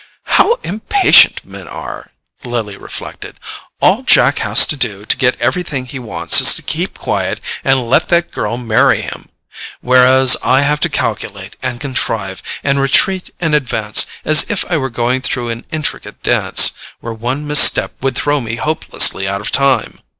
"How impatient men are!" Lily reflected. "All Jack has to do to get everything he wants is to keep quiet and let that girl marry him; whereas I have to calculate and contrive, and retreat and advance, as if I were going through an intricate dance, where one misstep would throw me hopelessly out of time."